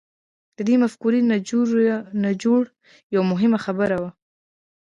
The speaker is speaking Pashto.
د دې مفکورې نچوړ يوه مهمه خبره وه.